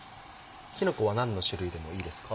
きのこは何の種類でもいいですか？